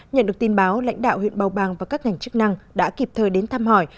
nhận được tin báo lãnh đạo huyện bào bàng và các ngành chức năng đã kịp thời đến thăm hỏi